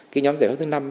cái nhóm giải pháp thứ năm